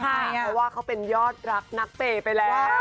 เพราะว่าเขาเป็นยอดรักนักเปย์ไปแล้ว